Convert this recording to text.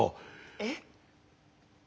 えっ！